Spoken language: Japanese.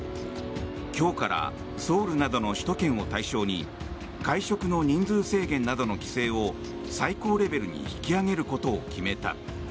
今日からソウルなどの首都圏を対象に会食の人数制限などの規制を最高レベルに引き上げることを決めた。